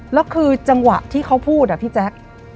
แล้วคือจังหวะที่เขาพูดอะพี่แจ๊ค